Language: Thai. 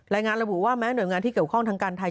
รายงานระบุว่าแม้หน่วยงานที่เกี่ยวข้องทางการไทย